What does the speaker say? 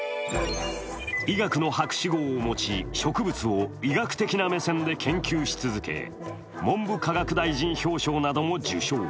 医学の博士号を持ち、植物を医学的な目線で研究し続け文部科学大臣表彰なども受賞。